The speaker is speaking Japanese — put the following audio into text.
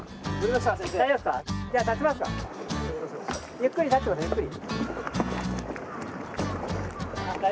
ゆっくり立ってくださいゆっくり。